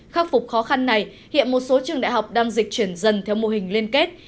khắc phục khó khăn này hiện một số trường đại học đang dịch chuyển dần theo mô hình liên kết